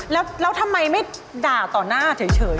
แล้วทำไมไม่ด่าต่อหน้าเฉย